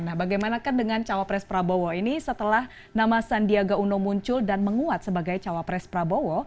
nah bagaimana kan dengan cawapres prabowo ini setelah nama sandiaga uno muncul dan menguat sebagai cawapres prabowo